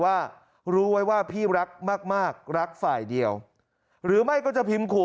ว่ารู้ไว้ว่าพี่รักมากรักฝ่ายเดียวหรือไม่ก็จะพิมพ์ขู่